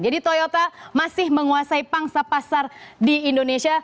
jadi toyota masih menguasai pangsa pasar di indonesia